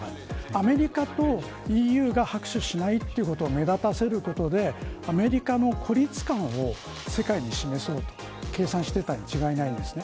アメリカとＥＵが拍手しないということを目立たせることでアメリカの孤立感を世界に示そうと計算していたに違いないんですね。